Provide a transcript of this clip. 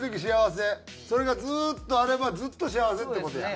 それがずっとあればずっと幸せって事や。